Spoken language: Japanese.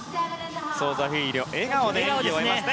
ソウザフィーリョ笑顔で演技を終えました。